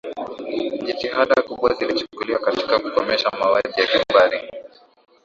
jitihada kubwa zilichukuliwa katika kukomesha mauaji ya kimbari